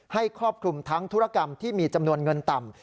ครอบคลุมทั้งธุรกรรมที่มีจำนวนเงินต่ำ